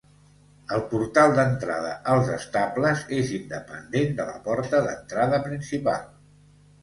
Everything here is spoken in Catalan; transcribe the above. El portal d'entrada als estables és independent de la porta d'entrada principal.